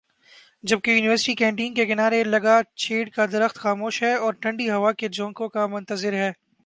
جبکہ university canteen کے کنارے لگا چیڑ کا درخت خاموش ہےاور ٹھنڈی ہوا کے جھونکوں کا منتظر ہے